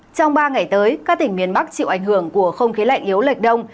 trong ba ngày tới các tỉnh miền bắc chịu ảnh hưởng của không khí lạnh yếu lệch đông